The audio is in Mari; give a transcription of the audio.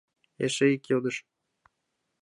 Эше ик йодыш.